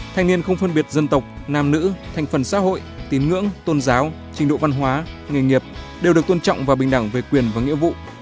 thanh niên không phân biệt dân tộc nam nữ thành phần xã hội tín ngưỡng tôn giáo trình độ văn hóa nghề nghiệp đều được tôn trọng và bình đẳng về quyền và nghĩa vụ